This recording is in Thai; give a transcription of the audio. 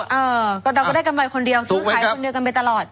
เออเราก็ได้กำไรคนเดียวซื้อขายคนเดียวกันไปตลอด